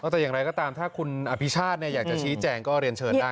แต่อย่างไรก็ตามถ้าคุณอภิชาติอยากจะชี้แจงก็เรียนเชิญได้